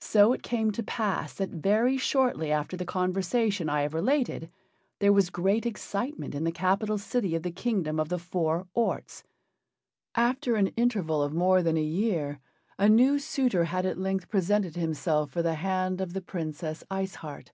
So it came to pass that very shortly after the conversation I have related there was great excitement in the capital city of the Kingdom of the Four Orts. After an interval of more than a year a new suitor had at length presented himself for the hand of the Princess Ice Heart.